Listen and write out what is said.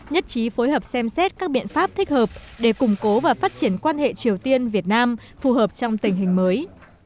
nhất trí phối hợp xem xét các biện pháp thích hợp để củng cố và phát triển quan hệ triều tiên việt nam phù hợp trong tình hình mới